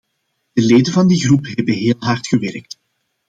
De leden van die groep hebben heel hard gewerkt.